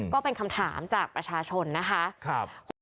ก็เป็นคำถามจากประชาชนนะคะ